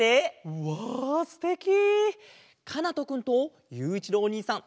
うわすてき！かなとくんとゆういちろうおにいさん